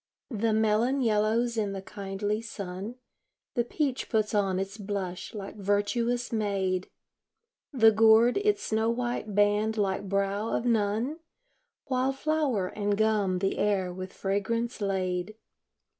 The melon yellows in the kindly sun, The peach puts on its blush like virtuous maid, The gourd its snow white band like brow of nun, While flower and gum the air with fragrance lade.